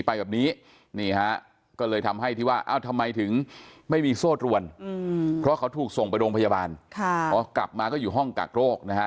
ไปแบบนี้นี่ฮะก็เลยทำให้ที่ว่าเอ้าทำไมถึงไม่มีโซ่ตรวนเพราะเขาถูกส่งไปโรงพยาบาลพอกลับมาก็อยู่ห้องกักโรคนะฮะ